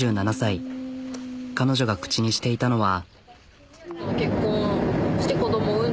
彼女が口にしていたのは。